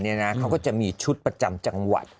เขาก็จะมีชุดประจำจังหวัด